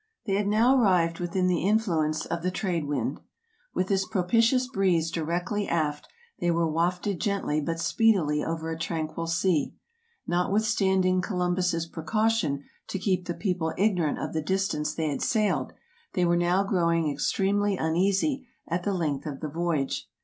They had now arrived within the influence of the trade wind. With this propitious breeze directly aft, they were wafted gently but speedily over a tranquil sea. Notwith standing Columbus's precaution to keep the people ignorant of the distance they had sailed, they were now growing ex tremely uneasy at the length of the voyage.